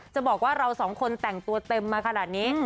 จะบอกว่าเราสองคนแต่งตัวเต็มมาขนาดนี้